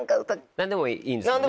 何でもいいんですもんね？